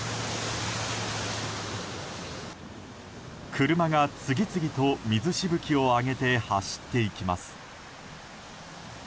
車が次々と水しぶきを上げて走っていきます。